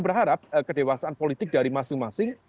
berharap kedewasaan politik dari masing masing